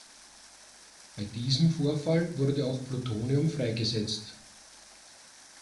Bei diesem Vorfall wurde auch Plutonium freigesetzt.